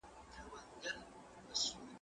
زه به سبا مړۍ وخورم،